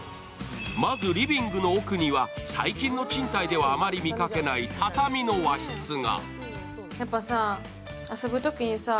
まずリビングの奥には最近の賃貸ではあまり見かけない畳の和室が。